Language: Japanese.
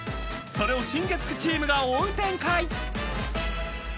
［それを新月９チームが追う展開！］